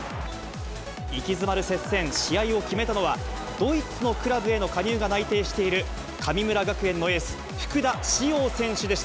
息詰まる接戦、試合を決めたのは、ドイツのクラブへの加入が内定している神村学園のエース、福田師王選手でした。